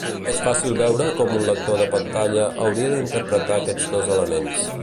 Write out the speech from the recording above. És fàcil veure com un lector de pantalla hauria d'interpretar aquests dos elements.